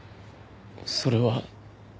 それは。